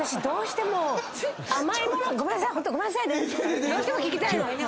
どうしても聞きたいの。